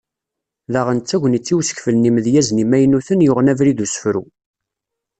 Daɣen d tagnit i usekfel n yimedyazen imaynuten yuɣen abrid n usefru.